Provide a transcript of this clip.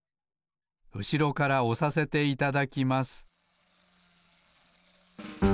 うしろからおさせていただきます